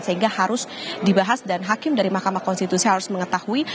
sehingga harus dibahas dan hakim dari mahkamah konstitusi harus mengetahui